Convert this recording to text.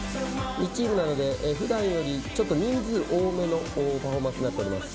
２チームなので普段よりちょっと人数多めのパフォーマンスになっております。